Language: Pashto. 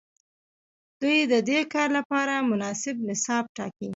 دوی ددې کار لپاره مناسب نصاب ټاکي.